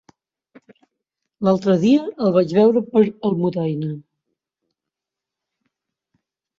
L'altre dia el vaig veure per Almudaina.